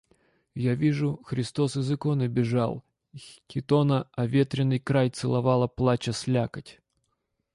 Я вижу, Христос из иконы бежал, хитона оветренный край целовала, плача, слякоть.